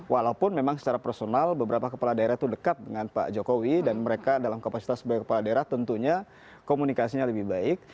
walaupun memang secara personal beberapa kepala daerah itu dekat dengan pak jokowi dan mereka dalam kapasitas sebagai kepala daerah tentunya komunikasinya lebih baik